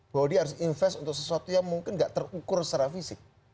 bahwa dia harus invest untuk sesuatu yang mungkin tidak terukur secara fisik